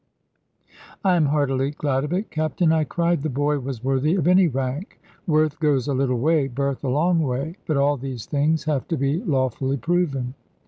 "I am heartily glad of it, Captain," I cried; "the boy was worthy of any rank. Worth goes a little way; birth a long way. But all these things have to be lawfully proven."